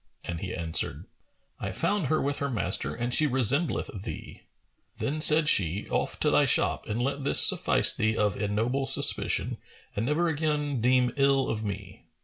and he answered, "I found her with her master; and she resembleth thee." Then said she, "Off to thy shop and let this suffice thee of ignoble suspicion and never again deem ill of me."